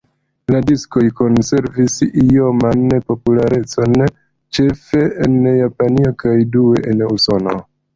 La diskoj konservis ioman popularecon ĉefe en Japanio kaj due en Usono.